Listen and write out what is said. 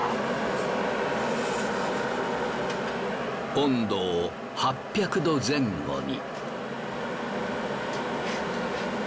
温度を８００度前後に。